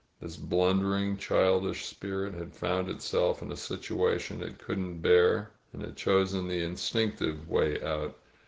This blundering, childish spirit had found itself in a situa tion it couldn't bear, and had chosen the instinctive way out.